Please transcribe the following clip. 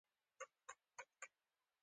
دا په خپل ځان کې شخړه ده.